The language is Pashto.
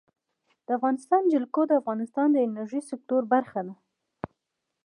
د افغانستان جلکو د افغانستان د انرژۍ سکتور برخه ده.